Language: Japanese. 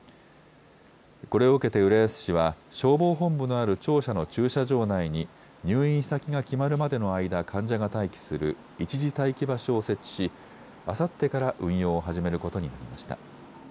これを受けて浦安市は消防本部のある庁舎の駐車場内に入院先が決まるまでの間、患者が待機する一時待機場所を設置しあさってから運用を始めることになりました。